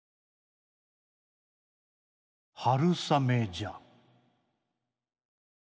「春雨じゃ」。